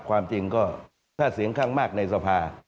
ความจริงก็ถ้าเสียงข้างมากในสภา